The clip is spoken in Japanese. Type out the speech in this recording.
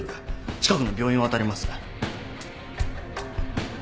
近くの病院をあたります。